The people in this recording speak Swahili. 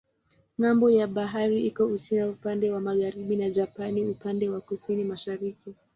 Ng'ambo ya bahari iko Uchina upande wa magharibi na Japani upande wa kusini-mashariki.